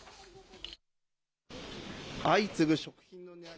相次ぐ食品の値上げ。